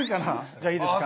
じゃあいいですか。